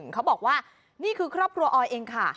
เขาบอกว่านี่คือครอบครัวออยเองค่ะ